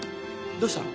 どうしたの？